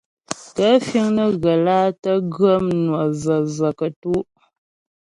Gaə̂ fíŋ nə́ ghə́ lǎ tə́ ghə́ mnwə və̀və̀ kətú' ?